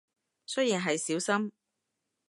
雖然係少深